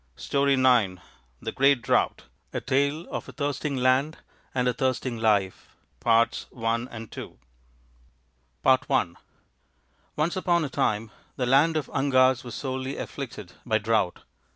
STORY IX THE GREAT DROUGHT A Tale of a Thirsting Land and a Thirsting Life 255 THE GREAT DROUGHT ONCE upon a time the land of the Angas was sorely afflicted by drought.